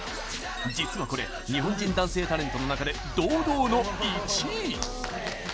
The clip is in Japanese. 実はこれ日本人男性タレントの中で堂々の１位。